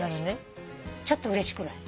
ちょっとうれしくない？